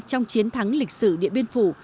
trong chiến thắng lịch sử điện biên phủ